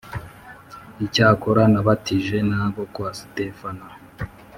Icyakora nabatije nabo kwa Sitefana .